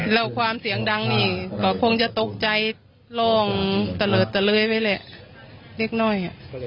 แล้วความเสียงดังนี่ก็คงจะตกใจร้องตะเลิดตะเลยไปแหละเล็กน้อย